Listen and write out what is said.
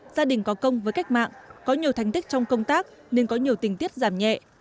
gia đình có công với cách mạng có nhiều thành tích trong công tác nên có nhiều tình tiết giảm nhẹ